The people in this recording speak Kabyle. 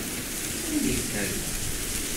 Anda i terra?